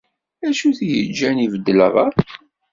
Acu i t-yeǧǧan ibeddel rray?